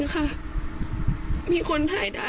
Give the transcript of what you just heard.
ก็กลับมาพอริาย